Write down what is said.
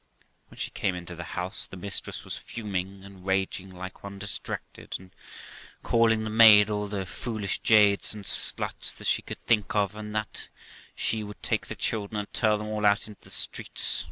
When she came into the house, the mistress was fuming, and raging like one distracted, and called the maid all the foolish jades and sluts that she could think of, and that she would take the children and turn them all out into the streets.